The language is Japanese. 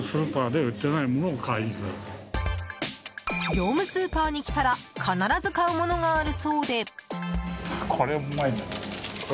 業務スーパーに来たら必ず買うものがあるそうで。